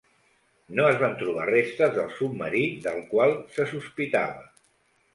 No es van trobar restes del submarí del qual se sospitava.